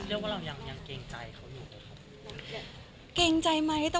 รู้สึกยังไงหรอคะ